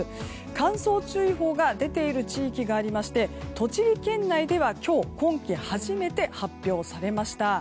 乾燥注意報が出ている地域がありまして栃木県内では今日今季初めて発表されました。